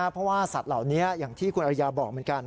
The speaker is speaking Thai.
เพราะว่าสัตว์เหล่านี้อย่างที่คุณอริยาบอกเหมือนกัน